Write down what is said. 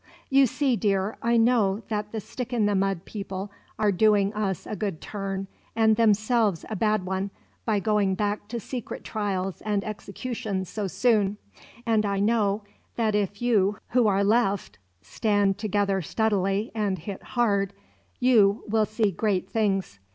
You see, dear, I know that the stick in the mud people are doing us a good turn and themselves a bad one by going back to secret trials and executions so soon, and I know that if you who are left stand together steadily and hit hard, you will see great things.